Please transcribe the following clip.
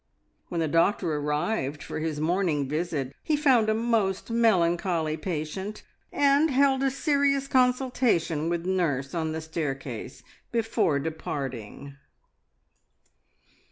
When the doctor arrived for his morning visit, he found a most melancholy patient, and held a serious consultation with nurse on the staircase before departing.